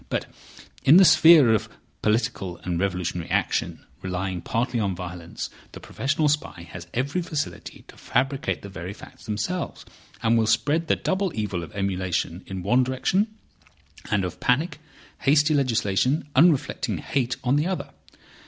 But in the sphere of political and revolutionary action, relying partly on violence, the professional spy has every facility to fabricate the very facts themselves, and will spread the double evil of emulation in one direction, and of panic, hasty legislation, unreflecting hate, on the other.